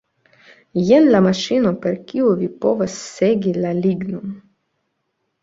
Jen la maŝino, per kiu vi povas segi la lignon.